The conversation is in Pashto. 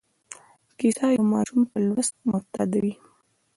کیسه یو ماشوم په لوست معتادوي.